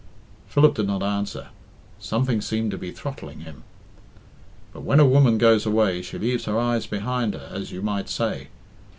Philip did not answer. Something seemed to be throttling him. "But when a woman goes away she leaves her eyes behind her, as you might say.